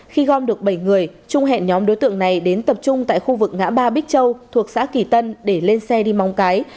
khi gom được bảy người trung hẹn nhóm đối tượng này đến tập trung tại khu vực ngã ba bích châu thuộc xã kỳ tân để lên xe đi mong cái